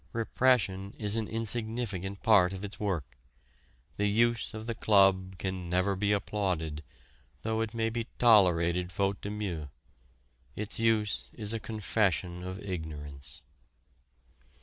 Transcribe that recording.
Repression is an insignificant part of its work; the use of the club can never be applauded, though it may be tolerated faute de mieux. Its use is a confession of ignorance.